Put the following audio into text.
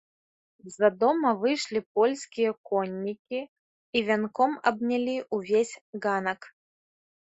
З-за дома выйшлі польскія коннікі і вянком абнялі ўвесь ганак.